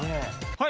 はい！